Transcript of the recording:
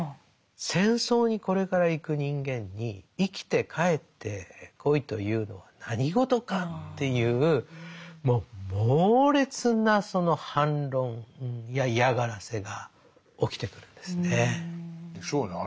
戦争にこれから行く人間に生きて帰ってこいというのは何事かっていうもう猛烈な反論や嫌がらせが起きてくるんですね。でしょうね。